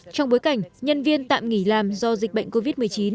trong bối cảnh nhân viên tạm nghỉ làm do dịch bệnh covid một mươi chín